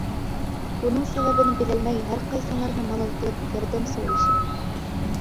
بۇنىڭ سەۋەبىنى بىلەلمەي ھەر قايسىڭلارنى مالال قىلىپ ياردەم سورىشىم.